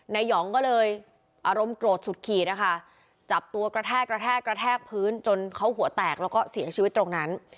หยองก็เลยอารมณ์โกรธสุดขีดนะคะจับตัวกระแทกกระแทกกระแทกพื้นจนเขาหัวแตกแล้วก็เสียชีวิตตรงนั้น